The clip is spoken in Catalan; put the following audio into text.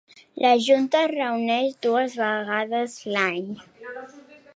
La junta es reuneix dues vegades l'any.